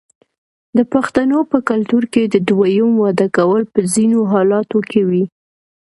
د پښتنو په کلتور کې د دویم واده کول په ځینو حالاتو کې وي.